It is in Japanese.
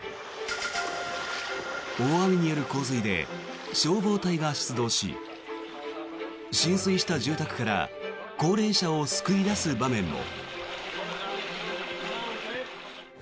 大雨による洪水で消防隊が出動し浸水した住宅から高齢者を救い出す場面も。